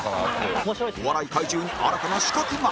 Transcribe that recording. お笑い怪獣に新たな刺客が